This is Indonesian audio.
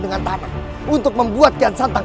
dengan tanah untuk membuat kian santang